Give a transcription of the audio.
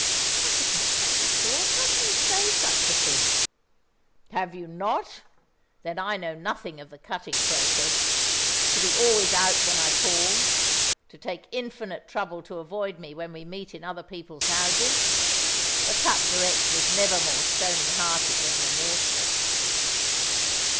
"I have not cut you, Claude. How can you say such a thing?" "Have you not? Then I know nothing of the cutting process. To be always out when I call to take infinite trouble to avoid me when we meet in other people's houses! The cut direct was never more stony hearted and remorseless."